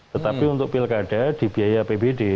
tetapi untuk pilkada dibiaya pbd